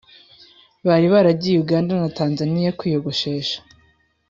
bari baragiye Uganda na Tanzaniya kwiyogoshesha